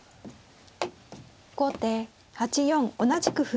後手８四同じく歩。